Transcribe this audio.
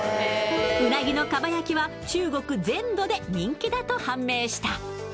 うなぎの蒲焼きは中国全土で人気だと判明した。